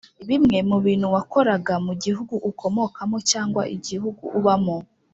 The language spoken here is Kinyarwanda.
Bimwe mu bintu wakoraga mu gihugu ukomokamo cyangwa igihugu uba mo